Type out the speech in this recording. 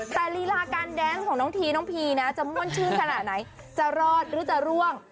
แต่ลีลาการแดนส์ของน้องทีน้องพีนะจะม่วนชื่นขนาดไหนจะรอดหรือจะร่วง